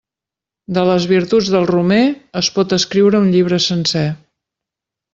De les virtuts del romer es pot escriure un llibre sencer.